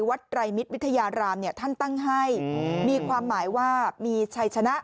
ไตรมิตรวิทยารามเนี่ยท่านตั้งให้มีความหมายว่ามีชัยชนะ